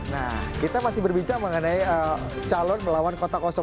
nah kita masih berbicara mengenai calon melawan kota kosong